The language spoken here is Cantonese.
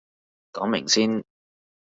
講明先